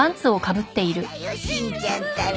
あらやだよしんちゃんったら。